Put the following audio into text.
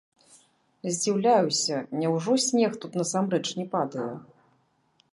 Здзіўляюся, няўжо снег тут насамрэч не падае?